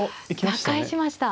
打開しました。